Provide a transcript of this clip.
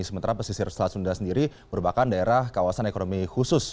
sementara pesisir selat sunda sendiri merupakan daerah kawasan ekonomi khusus